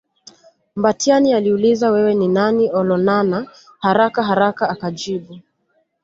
Mbatiany aliuliza wewe ni nani Olonana haraka haraka akajibu